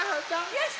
よし。